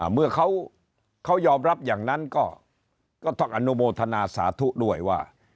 เมื่อเขายอมรับอย่างนั้นก็ต้องอนุโมทนาสาธุด้วยว่า